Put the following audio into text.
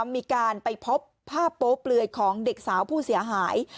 มีการไปพบภาพโป๊เปลือยของเด็กสาวผู้เสียหาย